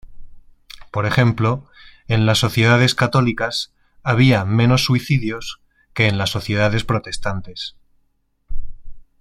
Por ejemplo, en las sociedades católicas había menos suicidios que en las sociedades protestantes.